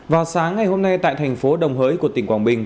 vào sáng ngày hôm nay tại thành phố đồng hới của tỉnh quảng bình